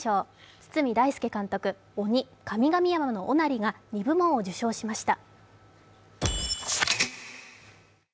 堤大介監督「ＯＮＩ神々山のおなり」が２部門を受賞しました。